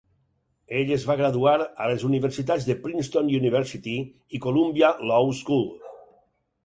Ell es va graduar a les universitats de Princeton University i Columbia Law School.